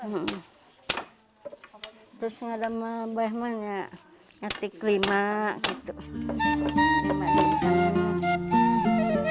lalu ada banyak yang berarti kelima